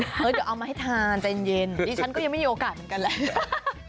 เดี๋ยวเอามาให้ทานใจเย็นดิฉันก็ยังไม่มีโอกาสเหมือนกันแหละ